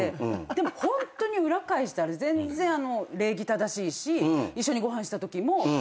でもホントに裏返したら全然礼儀正しいし一緒にご飯したときも。